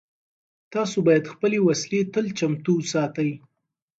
تاسو باید خپلې وسلې تل چمتو وساتئ.